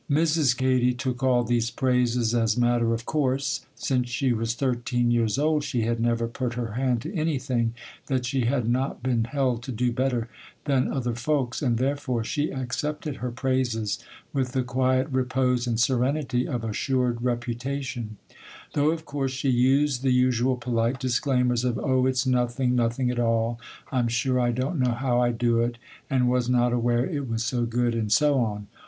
Mrs. Katy took all these praises as matter of course. Since she was thirteen years old, she had never put her hand to anything that she had not been held to do better than other folks, and therefore she accepted her praises with the quiet repose and serenity of assured reputation: though, of course, she used the usual polite disclaimers of 'Oh, it's nothing, nothing at all; I'm sure I don't know how I do it, and was not aware it was so good,' and so on.